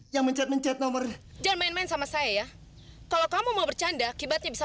yang mencet mencet nomor dan main main sama saya kalau kamu mau bercanda kibatnya bisa